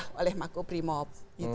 iya oleh mangkubrimop